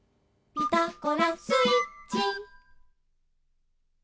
「ピタゴラスイッチ」